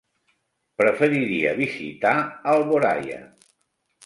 Preferiria visitar Alboraia.